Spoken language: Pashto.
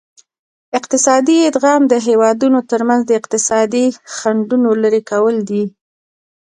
اقتصادي ادغام د هیوادونو ترمنځ د اقتصادي خنډونو لرې کول دي